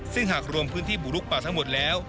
ซึ่งหากรวมพื้นที่บุกลุกป่าทั้งหมดแล้ว